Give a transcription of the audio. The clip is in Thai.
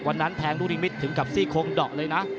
วันนั้นแทงลูกลิมิตถึงกับซี่โคงดอกเลยนะ